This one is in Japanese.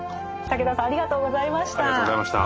武田さんありがとうございました。